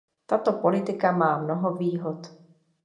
Tato politika má mnoho výhod.